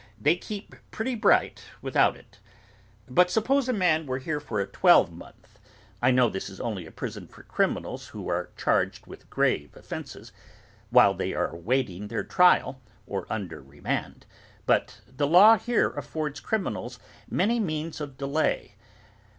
They keep pretty bright without it.' 'But suppose a man were here for a twelvemonth. I know this is only a prison for criminals who are charged with grave offences, while they are awaiting their trial, or under remand, but the law here affords criminals many means of delay.